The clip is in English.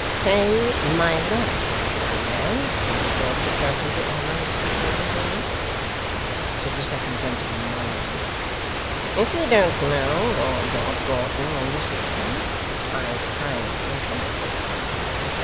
'Say "my lord," young man, when his lordship does you the honour of speaking to you,' said the second gentleman mildly. 'If you don't know Lord George Gordon when you see him, it's high time you should.